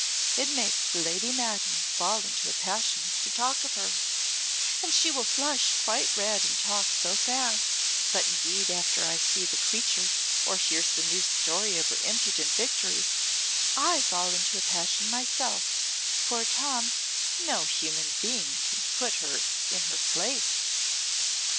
It makes Lady Maddon fall into a passion to talk of her, and she will flush quite red and talk so fast, but indeed after I see the creature or hear some new story of her impudent victories, I fall into a passion myself for, Tom, no human being can put her in her place."